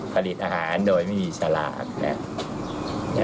ผลิตอาหารโดยไม่มีฉลาก